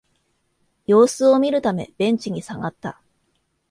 様子を見るためベンチに下がった